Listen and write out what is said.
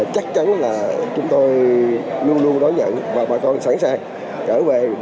chắc chắn là chúng tôi luôn luôn đón nhận và bà con sẵn sàng trở về